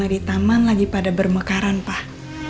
di taman lagi pada bermekaran pak